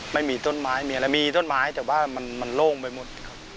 ไม่มีต้นไม้มีอะไรมีต้นไม้แต่ว่ามันโล่งไปหมดครับ